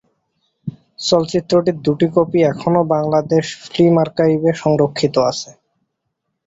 চলচ্চিত্রটির দুটি কপি এখনো বাংলাদেশ ফিল্ম আর্কাইভে সংরক্ষিত আছে।